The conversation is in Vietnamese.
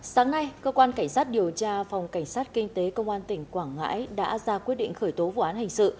sáng nay cơ quan cảnh sát điều tra phòng cảnh sát kinh tế công an tỉnh quảng ngãi đã ra quyết định khởi tố vụ án hình sự